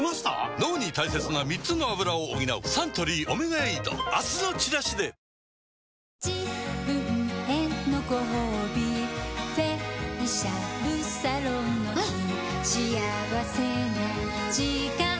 脳に大切な３つのアブラを補うサントリー「オメガエイド」明日のチラシで今朝の問題です。